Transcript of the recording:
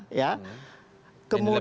ini yang bermasalah tadi